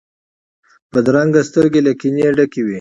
بدرنګه سترګې له کینې ډکې وي